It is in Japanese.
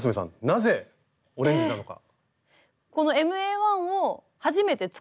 なぜオレンジなのか？